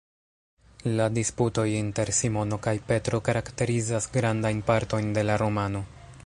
La disputoj inter Simono kaj Petro karakterizas grandajn partojn de la romano.